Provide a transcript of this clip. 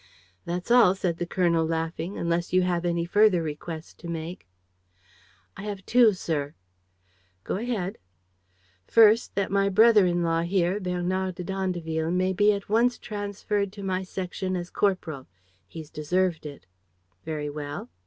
"That's all," said the colonel, laughing. "Unless you have any further request to make." "I have two, sir." "Go ahead." "First, that my brother in law here, Bernard d'Andeville, may be at once transferred to my section as corporal. He's deserved it." "Very well.